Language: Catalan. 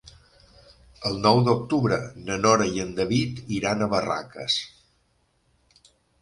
El nou d'octubre na Nora i en David iran a Barraques.